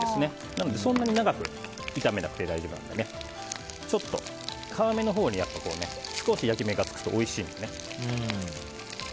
なので、そんなに長く炒めなくて大丈夫なのでちょっと皮目のほうに少し焼き目がつくとおいしいのでね。